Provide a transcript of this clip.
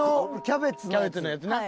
キャベツのやつな。